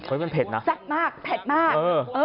เฮ้ยมันเผ็ดนะแซ่บมากแพ็ดมากเออ